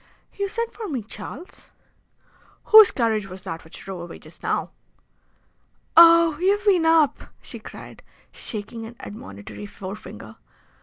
"You sent for me, Charles?" "Whose carriage was that which drove away just now?" "Oh, you've been up!" she cried, shaking an admonitory forefinger.